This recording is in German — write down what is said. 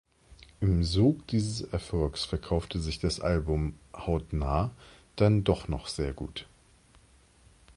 Im Sog dieses Erfolgs verkaufte sich das Album "Hautnah" dann doch noch sehr gut.